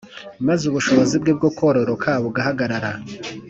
Maze ubushobozi bwe bwo kororoka bugahagarara